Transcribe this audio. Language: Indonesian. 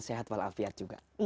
sehat walafiat juga